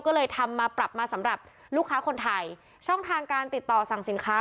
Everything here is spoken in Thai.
ก็เลยทำมาปรับมาสำหรับลูกค้าคนไทยช่องทางการติดต่อสั่งสินค้า